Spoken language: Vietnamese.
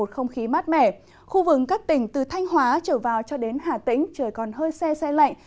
không khí mát mẻ khu vực các tỉnh từ thanh hóa trở vào cho đến hà tĩnh trời còn hơi xe xe lạnh